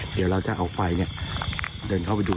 เดี๋ยวเราจะเอาไฟเดินเข้าไปดู